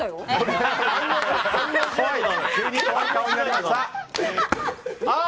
急に怖い顔になりました。